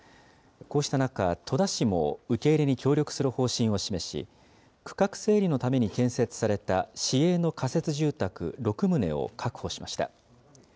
こうした中、戸田市も受け入れに協力する方針を示し、区画整理のために建設された市営の仮設住宅６棟を確保しました。